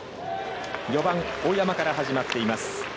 ４番大山から始まっています。